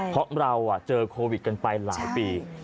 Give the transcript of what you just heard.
เพราะเราเจอโควิดกันไปหลายปี